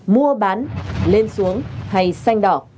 mua bán lên xuống hay xanh đỏ